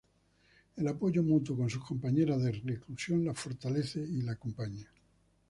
El apoyo mutuo con sus compañeras de reclusión la fortalece y la acompaña.